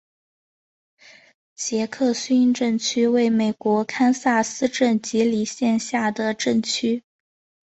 杰克逊镇区为美国堪萨斯州吉里县辖下的镇区。